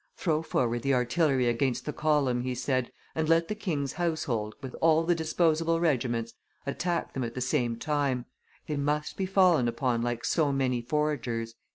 "Throw forward the artillery against the column," he said, "and let the king's household, with all the disposable regiments, attack them at the same time; they must be fallen upon like so many foragers."